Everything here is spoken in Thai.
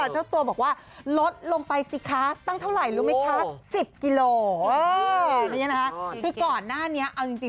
เจ้าตัวบอกว่าลดลงไปสิคะตั้งเท่าไหร่รู้ไหมคะ๑๐กิโล